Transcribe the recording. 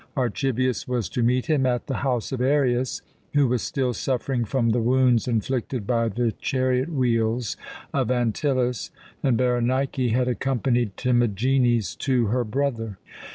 Archibius was to meet him at the house of Arius, who was still suffering from the wounds inflicted by the chariot wheels of Antyllus, and Berenike had accompanied Timagenes to her brother.